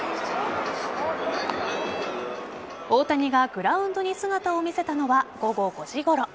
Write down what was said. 大谷がグラウンドに姿を見せたのは午後５時ごろ。